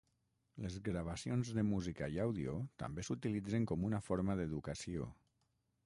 Les gravacions de música i àudio també s"utilitzen com una forma d"educació.